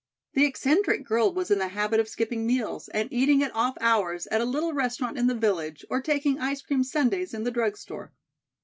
The eccentric girl was in the habit of skipping meals and eating at off hours at a little restaurant in the village, or taking ice cream sundaes in the drug store.